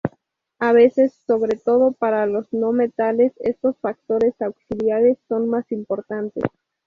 A veces, sobre todo para los no metales, estos factores auxiliares son más importantes.